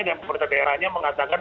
dan pemerintah daerahnya mengatakan